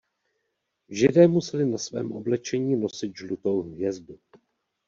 Židé museli na svém oblečení nosit žlutou hvězdu.